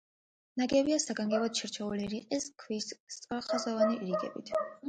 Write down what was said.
ნაგებია საგანგებოდ შერჩეული რიყის ქვის სწორხაზოვანი რიგებით.